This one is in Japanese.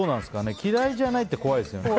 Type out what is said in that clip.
嫌いじゃないって怖いですね。